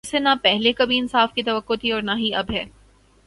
جس سے نا پہلے کبھی انصاف کی توقع تھی اور نا ہی اب ہے